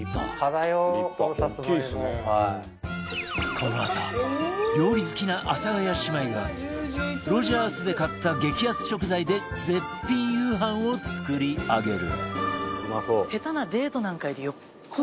このあと料理好きな阿佐ヶ谷姉妹がロヂャースで買った激安食材で絶品夕飯を作り上げる